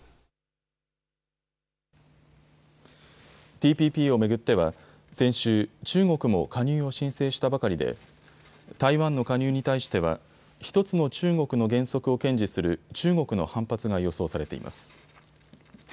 ＴＰＰを巡っては先週、中国も加入を申請したばかりで台湾の加入に対しては１つの中国の原則を堅持する中国の反発が予想されています。